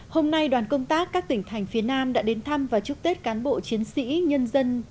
hôm nay đoàn công tác các tỉnh thành phía nam đã đến thăm và chúc tết cán bộ chiến sĩ nhân dân